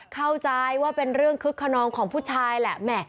เข้าใจว่าเป็นเรื่องคึกขนองของผู้ชายแหละ